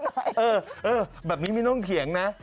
เออแบบนี้ไม่ต้องเถียงนะ